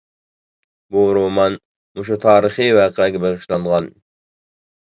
بۇ رومان مۇشۇ تارىخى ۋەقەگە بېغىشلانغان.